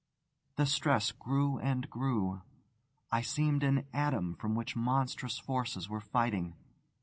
The stress grew and grew. I seemed an atom for which monstrous forces were fighting.